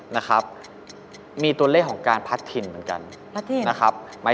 น้านเงินเยอะด้วย